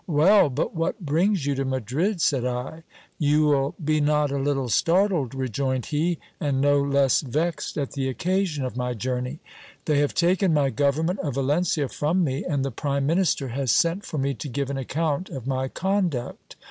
Well ! but what brings you to Madrid ? said I. You will be not a little startled, rejoined he, and no less vexed at the occasion of my journey. They have taken my government of Yalencia from me, and the prime minister has sent for me to give an account of my conduct.